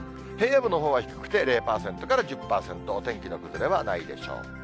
平野部のほうは低くて０％から１０％、お天気の崩れはないでしょう。